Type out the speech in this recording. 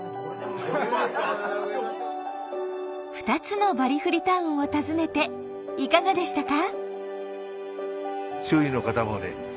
２つのバリフリ・タウンを訪ねていかがでしたか？